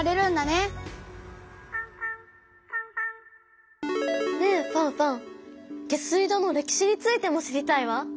ねえファンファン下水道の歴史についても知りたいわ。